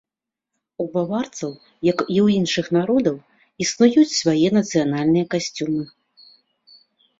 У баварцаў, як і ў іншых народаў, існуюць свае нацыянальныя касцюмы.